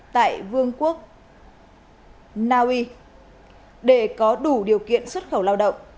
tại vương quốc naui để có đủ điều kiện xuất khẩu lao động